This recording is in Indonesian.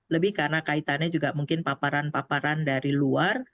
lebih karena kaitannya juga mungkin paparan paparan dari luar